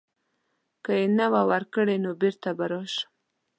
که یې نه وه ورکړې نو بیرته به راشم.